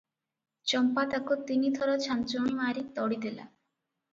ଚମ୍ପା ତାକୁ ତିନିଥର ଛାଞ୍ଚୁଣୀ ମାରି ତଡ଼ିଦେଲା ।